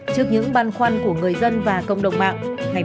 trước những băn khoăn của người dân và cộng đồng mạng